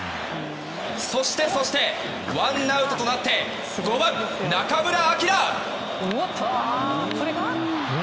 そしてそしてワンアウトとなって５番、中村晃。